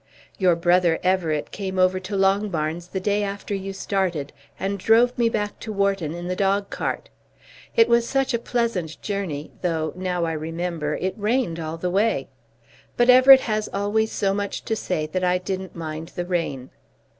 Your brother Everett came over to Longbarns the day after you started and drove me back to Wharton in the dog cart. It was such a pleasant journey, though, now I remember, it rained all the way. But Everett has always so much to say that I didn't mind the rain.